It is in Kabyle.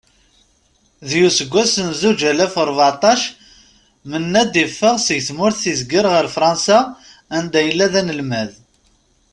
Deg useggas n zuǧ alaf u rbeɛṭac, Menad iffeɣ seg tmurt izger ar Fransa and yella d-analmad.